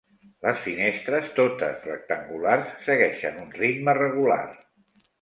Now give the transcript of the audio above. Les finestres, totes rectangulars, segueixen un ritme regular.